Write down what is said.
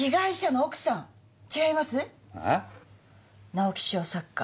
「直木賞作家